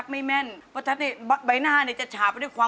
มีมาเป็นระยะให้เราได้หัวเราะ